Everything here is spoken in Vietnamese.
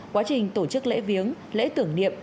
quá trình tổ chức lễ viếng lễ tưởng niệm